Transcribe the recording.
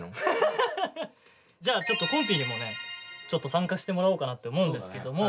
じゃあちょっとこんぴーにもねちょっと参加してもらおうかなって思うんですけども。